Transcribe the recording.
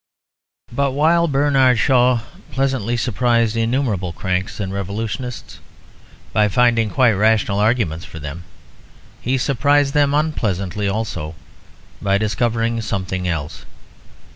But while Bernard Shaw pleasantly surprised innumerable cranks and revolutionists by finding quite rational arguments for them, he surprised them unpleasantly also by discovering something else.